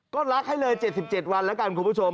ก็รักให้เลย๗๗วันแล้วกันคุณผู้ชม